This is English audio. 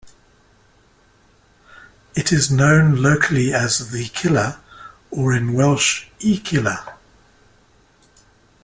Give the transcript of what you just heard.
It is known locally as 'The Killer' or in Welsh 'Y Killer'.